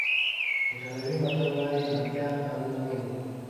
ایټالوي متل وایي اړتیا قانون نه مني.